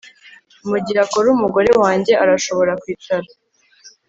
mugihe akora umugore wanjye arashobora kwicara